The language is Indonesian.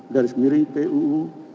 garis miring puu